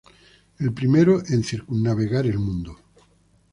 El primero en circunnavegar el mundo.